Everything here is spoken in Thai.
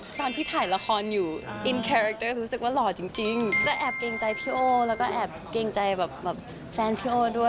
ตอนที่ถ่ายละครอยู่อินแคคจะรู้สึกว่าหล่อจริงก็แอบเกรงใจพี่โอ้แล้วก็แอบเกรงใจแบบแฟนพี่โอ้ด้วย